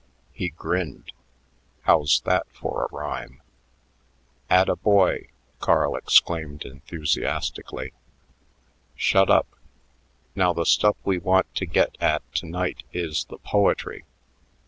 He grinned. "How's that for a rime?" "Atta boy!" Carl exclaimed enthusiastically. "Shut up! Now, the stuff we want to get at to night is the poetry.